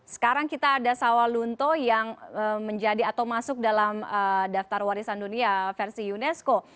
sekarang kita ada sawalunto yang menjadi atau masuk dalam daftar warisan dunia versi unesco